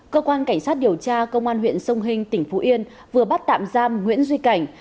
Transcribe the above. cơ quan cảnh sát điều tra công an huyện sông hình tỉnh phú yên vừa bắt tạm giam nguyễn duy cảnh